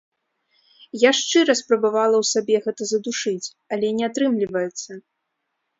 Я шчыра спрабавала ў сабе гэта задушыць, але не атрымліваецца.